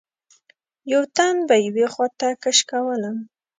یوه تن به یوې خواته کش کولم.